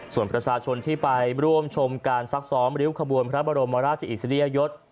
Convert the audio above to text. ส่วนประชาชนที่ไปร่วมชมการซักซ้อมริ้วขบวนพระบรมราชอิสริยยศ